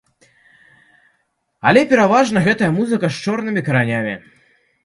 Але пераважна гэта музыка з чорнымі каранямі.